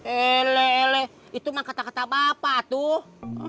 ele ele itu mah kata kata bapak tuh